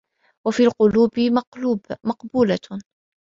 وَفِي الْقُلُوبِ مَقْبُولَةٌ